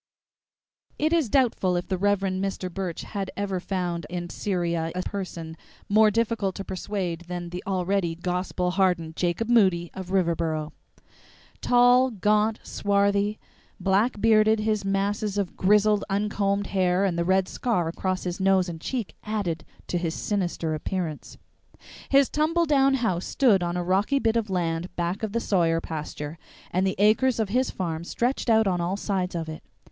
II It is doubtful if the Rev. Mr. Burch had ever found in Syria a person more difficult to persuade than the already "gospel hardened" Jacob Moody of Riverboro. Tall, gaunt, swarthy, black bearded his masses of grizzled, uncombed hair and the red scar across his nose and cheek added to his sinister appearance. His tumble down house stood on a rocky bit of land back of the Sawyer pasture, and the acres of his farm stretched out on all sides of it.